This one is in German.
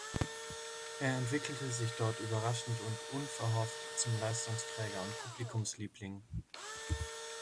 Er entwickelte sich dort überraschend und unverhofft zum Leistungsträger und Publikumsliebling.